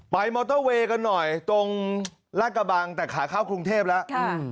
มอเตอร์เวย์กันหน่อยตรงลาดกระบังแต่ขาเข้ากรุงเทพแล้ว